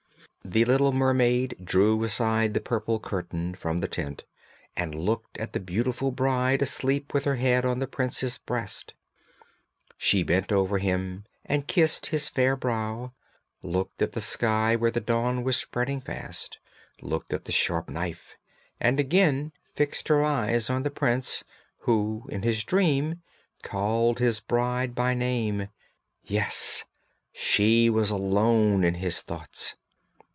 The little mermaid drew aside the purple curtain from the tent and looked at the beautiful bride asleep with her head on the prince's breast. She bent over him and kissed his fair brow, looked at the sky where the dawn was spreading fast, looked at the sharp knife, and again fixed her eyes on the prince, who, in his dream called his bride by name. Yes! she alone was in his thoughts!